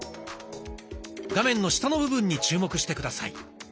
画面の下の部分に注目して下さい。